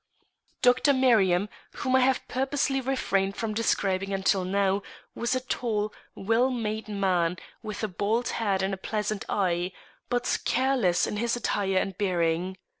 Dr. Merriam, whom I have purposely refrained from describing until now, was a tall, well made man, with a bald head and a pleasant eye, but careless in his attire and bearing.